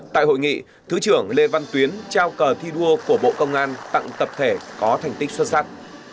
tại hội nghị thứ trưởng lê văn tuyến trao cờ thi đua của bộ công an tặng tập thể có thành tích xuất sắc